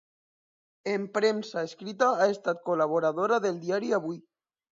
En premsa escrita ha estat col·laboradora del diari Avui.